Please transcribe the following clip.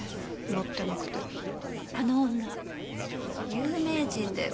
有名人だよ。